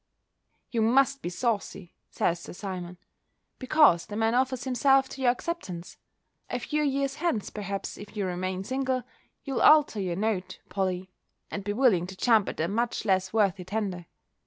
"You must be saucy," says Sir Simon, "because the man offers himself to your acceptance. A few years hence, perhaps, if you remain single, you'll alter your note, Polly, and be willing to jump at a much less worthy tender."